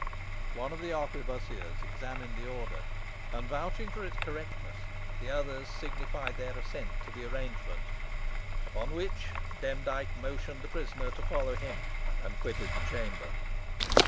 One of the arquebussiers examined the order, and vouching for its correctness, the others signified their assent to the arrangement, upon which Demdike motioned the prisoner to follow him, and quitted the chamber.